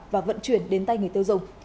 và vận chuyển đến tay người tiêu dùng